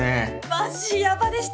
マジやばでした！